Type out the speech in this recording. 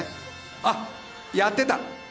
あっやってた。